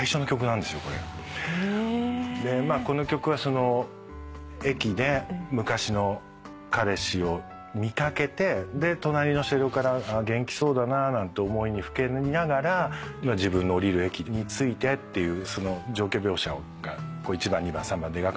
この曲は駅で昔の彼氏を見かけて隣の車両から元気そうだななんて思いにふけりながら自分の降りる駅に着いてっていうその状況描写が１番２番３番で描かれてるんです。